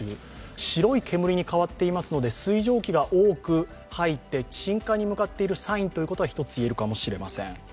白い煙に変わっていますので、水蒸気が多く入って鎮火に向かっているサインということは一つ言えるかもしれません。